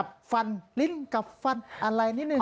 สวัสดีค่ะต่างทุกคน